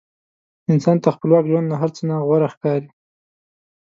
انسان ته خپلواک ژوند له هر څه نه غوره ښکاري.